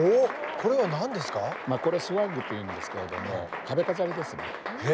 これスワッグというんですけれども壁飾りですね。